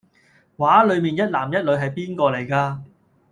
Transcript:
幅畫裡面一男一女係邊個嚟架？